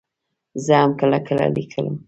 زه هم کله کله لیکم.